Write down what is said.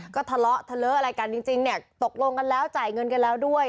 ก็ทะเลาะทะเลาะอะไรกันจริงเนี่ยตกลงกันแล้วจ่ายเงินกันแล้วด้วย